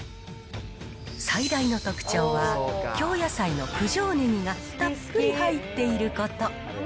最大の特徴は、京野菜の九条ネギがたっぷり入っていること。